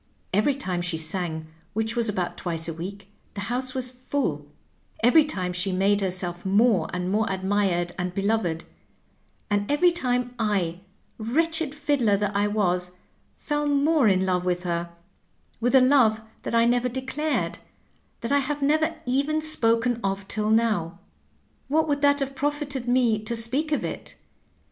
Every time she sang, which was about twice a week, the house was full ; every time she made herself more and more admired and beloved ; and every time I, wretched fiddler that I was, fell more in love with her, with a love that I never de clared, that I have never even spoken of till now. What would that have profited me to speak of it?